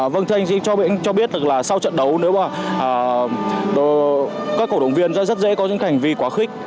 vâng thưa anh anh cho biết là sau trận đấu nếu mà các cổ động viên rất dễ có những hành vi quá khích